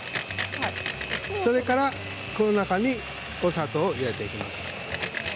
それからこの中にお砂糖を入れていきます。